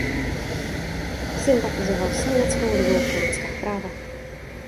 Sympatizoval s Německou ligou pro lidská práva.